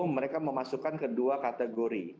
mereka memasukkan kedua kategori